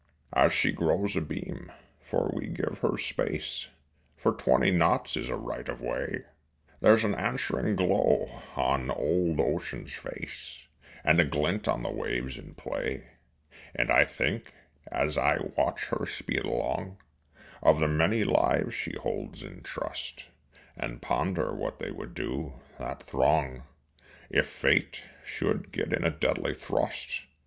As she grows abeam for we give her space, For twenty knots is a right of way There's an answering glow on old ocean's face And a glint on the waves in play. And I think, as I watch her speed along, Of the many lives she holds in trust, And ponder what they would do, that throng, If Fate should get in a deadly thrust.